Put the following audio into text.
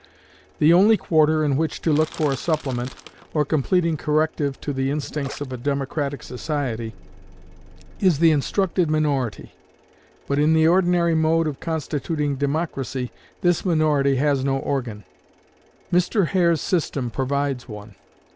The only quarter in which to look for a supplement, or completing corrective to the instincts of a democratic majority, is the instructed minority; but, in the ordinary mode of constituting democracy, this minority has no organ: Mr. Hare's system provides one.